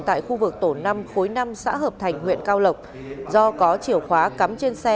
tại khu vực tổ năm khối năm xã hợp thành huyện cao lộc do có chiều khóa cắm trên xe